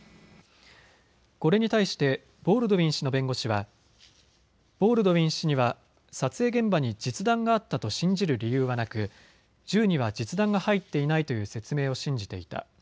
これに対してボールドウィン氏の弁護士はボールドウィン氏には撮影現場に実弾があったと信じる理由はなく中には実弾が入っていないという説明を信じていた。